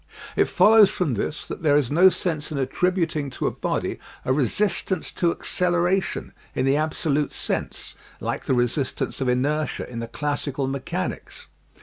It follows from this that there is no sense in attributing to a body a " resist ance to acceleration " in the absolute sense, like the resist ance of inertia in the classical mechanics.